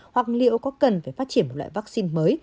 hoặc liệu có cần phải phát triển một loại vaccine mới